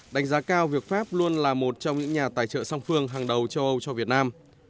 đánh giá cao việc pháp luôn là một trong những nhà tài trợ song phương hàng đầu châu âu cho việt nam